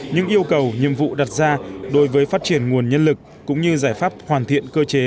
những yêu cầu nhiệm vụ đặt ra đối với phát triển nguồn nhân lực cũng như giải pháp hoàn thiện cơ chế